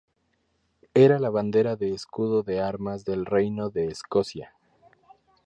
Era la bandera de escudo de armas del Reino de Escocia.